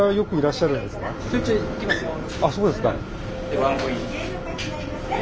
あっそうですか。